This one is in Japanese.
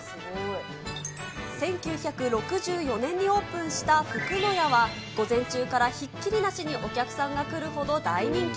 １９６４年にオープンしたフクノヤは、午前中からひっきりなしにお客さんが来るほど大人気。